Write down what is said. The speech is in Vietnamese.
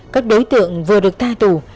các đối tượng vừa được tha tù